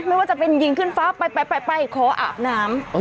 ไม่ว่าจะเป็นยิงขึ้นฟ้าไปขออาบน้ำ